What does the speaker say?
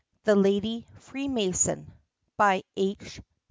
THE LADY FREEMASON. H.